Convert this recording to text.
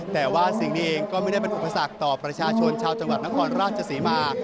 แต่ว่าสิ่งนี้เองก็ไม่ได้เป็นอุปสรรคต่อประชาชนชาวจังหวัดนครราชศรีมา